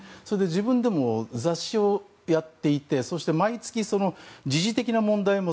自分でも雑誌をやっていてそして毎月、時事的な問題も